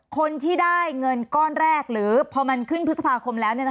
คนที่ได้เงินก้อนแรกหรือพอมันขึ้นพฤษภาคมแล้ว